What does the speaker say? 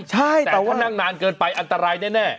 แต่ว่านั่งนานเกินไปอันตรายแน่